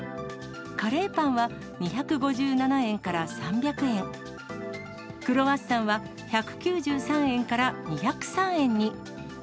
カレーパンは２５７円から３００円、クロワッサンは１９３円から２０３円に。